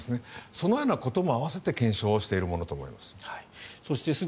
そのようなことも併せて検証しているものと思います。